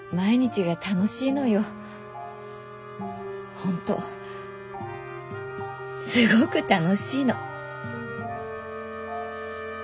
本当すごく楽しいの。